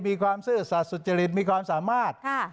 มีความซื่อสัตว์สุจริงมีความสามารถค่ะ